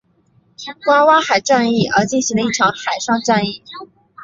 爪哇海战役而进行的一场海上战役。